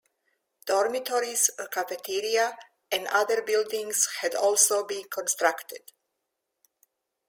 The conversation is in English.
Dormitories, a cafeteria, and other buildings had also been constructed.